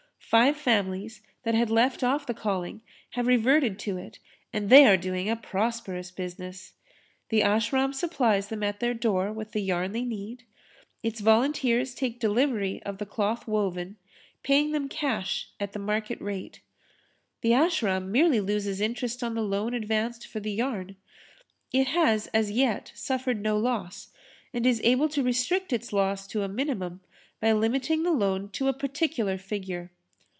Five families that had left off the calling have reverted to it and they are doing a prosperous business. The Ashram supplies[Pg 29] them at their door with the yarn they need; its volunteers take delivery of the cloth woven, paying them cash at the market rate. The Ashram merely loses interest on the loan advanced for the yarn. It has as yet suffered no loss and is able to restrict its loss to a minimum by limiting the loan to a particular figure.